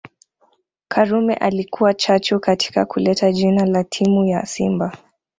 Karume alikuwa chachu katika kuleta jina la timu ya simba